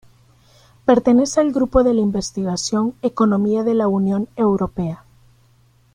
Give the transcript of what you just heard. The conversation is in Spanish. Pertenece al grupo de investigación Economía de la Unión Europea.